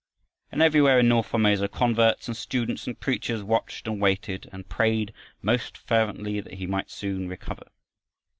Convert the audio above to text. And everywhere in north Formosa, converts and students and preachers watched and waited and prayed most fervently that he might soon recover.